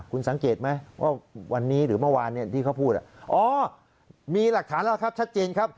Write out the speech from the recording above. คุณสังเกตไหมว่าวันนี้หรือเมื่อวานที่เขาพูดอ๋อมีหลักฐานแล้วครับชัดเจนครับ